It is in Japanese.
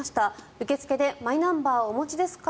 受付でマイナンバーお持ちですか？